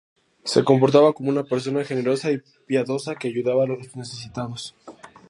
Se comportaba como una persona generosa y piadosa, que ayudaba a los necesitados.